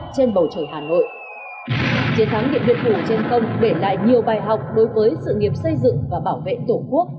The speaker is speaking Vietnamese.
trên bầu trời hà nội chiến thắng điện biên phủ trên công để lại nhiều bài học đối với sự nghiệp xây dựng và bảo vệ tổ quốc